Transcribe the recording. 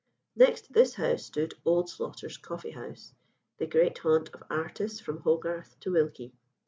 Next to this house stood "Old Slaughter's" Coffee house, the great haunt of artists from Hogarth to Wilkie.